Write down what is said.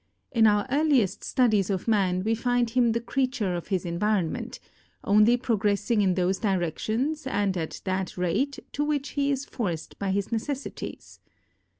In our earliest studies of man we find him the creature of his environment, only pro gressing in those directions and at that rate to which he is forced by his necessities.